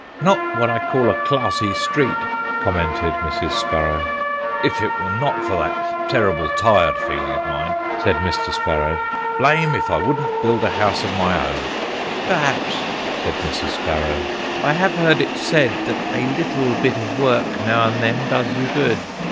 "Not what I call a classy street," commented Mrs. Sparrow. "If it were not for that terrible tired feeling of mine," said Mr. Sparrow, "blame if I wouldn't build a house of my own." "Perhaps," said Mrs. Sparrow, "—I have heard it said that a little bit of work, now and then, does you good."